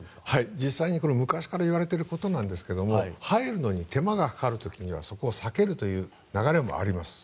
実際に昔から言われていることなんですが入るのに手間がかかる時にはそこを避けるという流れもあります。